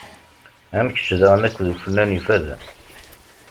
Am kečč daɣen akked ufennan ifazen.